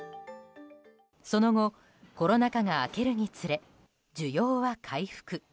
その後、コロナ禍が明けるにつれ需要は回復。